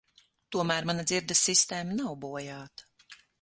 Tomēr mana dzirdes sistēma nav bojāta.